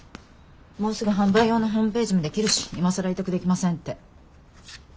もうすぐ販売用のホームページも出来るし今更委託できませんって。